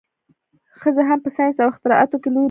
ښځې هم په ساینس او اختراعاتو کې لوی رول لري.